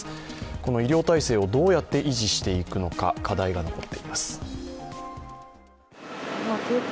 この医療体制をどうやって維持していくのか、課題が残っています。